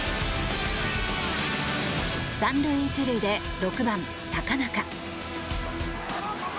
３塁１塁で６番、高中。